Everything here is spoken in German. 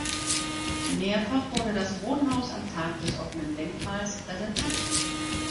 Mehrfach wurde das Wohnhaus am Tag des offenen Denkmals präsentiert.